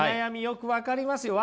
よく分かりますよ。